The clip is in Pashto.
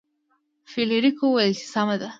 فلیریک وویل چې سمه ده.